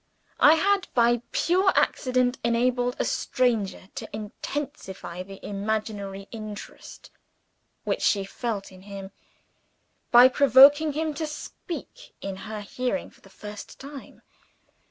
I had by pure accident enabled a stranger to intensify the imaginary interest which she felt in him, by provoking him to speak in her hearing for the first time.